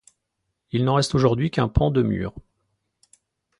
Il n'en reste aujourd'hui qu'un pan de mur.